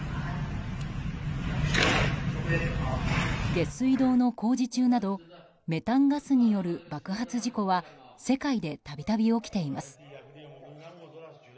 下水道の工事中などメタンガスによる爆発事故は世界で度々起きています。